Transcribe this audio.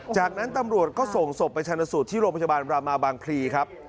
จากนั้นตำรวจก็ส่งสบไปชันสุดที่โรคประจำบาลรามาบางพลีครับ